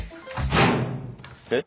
えっ？